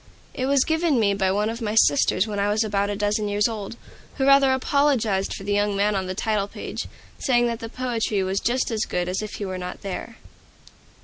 It was given me by one of my sisters when I was about a dozen years old, who rather apologized for the young man on the title page, saying that the poetry was just as good as if he were not there.